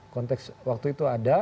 konteks waktu itu ada